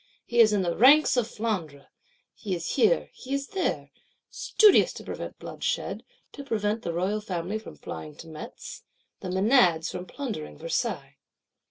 He is in the ranks of Flandre; he is here, he is there: studious to prevent bloodshed; to prevent the Royal Family from flying to Metz; the Menads from plundering Versailles.